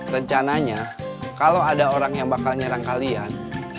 rencananya kalau ada orang yang bakal nyerang kalian